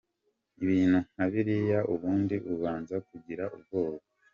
ibintu nka biriya ubundi ubanza kugira ubwoba.